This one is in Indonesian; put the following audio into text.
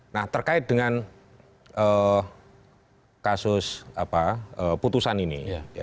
nah terkait dengan kasus putusan ini